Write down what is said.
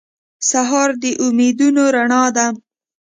سهار د امیدونو رڼا ده.